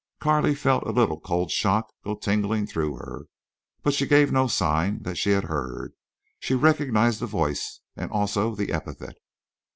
Carley felt a little cold shock go tingling through her. But she gave no sign that she had heard. She recognized the voice and also the epithet.